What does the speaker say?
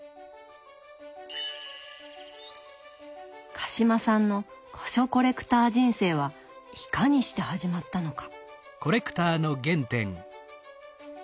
鹿島さんの古書コレクター人生はいかにして始まったのか。